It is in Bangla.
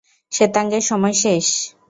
শ্বেতাঙ্গের সময় শেষ।